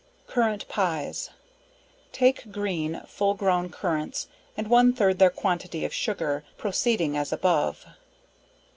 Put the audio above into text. Currant Pies. Take green, full grown currants, and one third their quantity of sugar, proceeding as above.